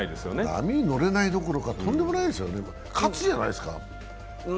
波に乗れないどころかとんでもないですよね、喝じゃないですか。